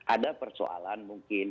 ada persoalan mungkin